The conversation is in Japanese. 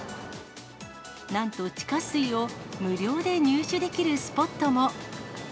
なんと地下水を無料で入手できるスポットも。